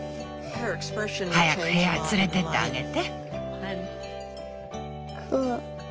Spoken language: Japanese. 早く部屋へ連れてってあげて。